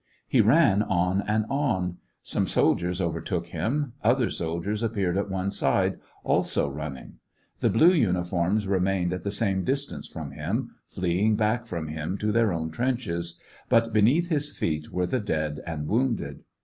He ran on and on. Some soldiers overtook him ; other soldiers appeared at one side, also running. The blue uniforms remained at the same distance from him, fleeing back from him to their own trenches ; but beneath his feet were the dead and wounded.